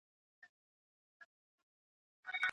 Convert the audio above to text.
په خونه را شریک به مو پیریان او بلا نه وي